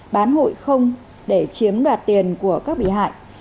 bán hụi không để chiếm đoạt tiền của các bị hại